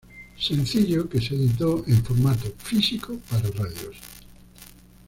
Sencillo que se editó en formato físico para radios.